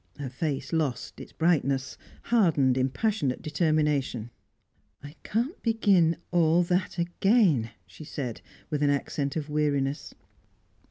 Her face lost its brightness; hardened in passionate determination. "I can't begin all that again," she said, with an accent of weariness.